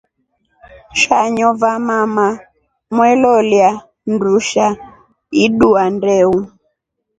Shanyo vamama mwelolia ndusha idua ndeu.